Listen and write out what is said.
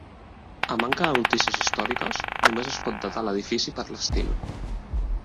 A manca de notícies històriques, només es pot datar l'edifici per l'estil.